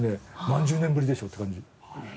何十年ぶりでしょうって感じ。